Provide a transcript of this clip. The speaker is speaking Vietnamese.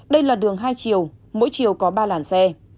đây là đường hai chiều mỗi chiều có ba làn xe